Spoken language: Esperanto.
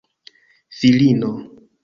filino